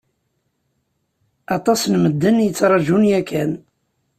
Aṭas n medden i yettrajun yakan.